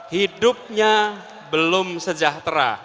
hidupnya belum sejahtera